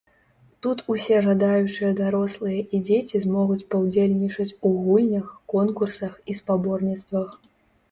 Тут усе жадаючыя дарослыя і дзеці змогуць паўдзельнічаць у гульнях, конкурсах і спаборніцтвах.